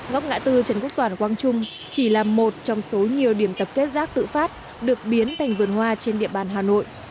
ngốc ngã tư trần quốc toàn quang trung chỉ là một trong số nhiều điểm tập kết rác tự phát được biến thành vườn hoa trên địa bàn hà nội